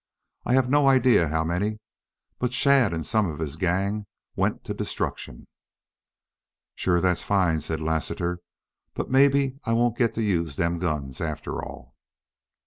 ... I have no idea how many, but Shadd and some of his gang went to destruction." "Shore thet's fine!" said Lassiter. "But mebbe I won't get to use them guns, after all."